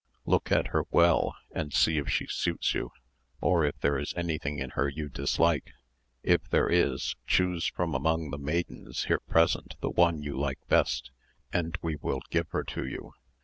Look at her well, and see if she suits you, or if there is anything in her you dislike; if there is, choose from among the maidens here present the one you like best, and we will give her to you.